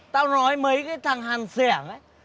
tao nói mấy cái thằng hàn xẻng ấy